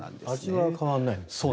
味は変わらないんですね。